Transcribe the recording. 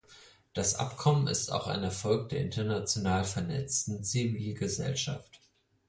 Das Abkommen ist auch ein Erfolg der international vernetzten Zivilgesellschaft.